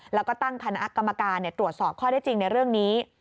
แล้วก็ตั้งคณะกรรมการตรวจสอบข้อได้จริงในเรื่องนี้